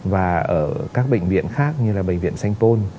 và ở các bệnh viện khác như là bệnh viện sanh pôn